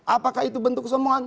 apakah itu bentuk sombongan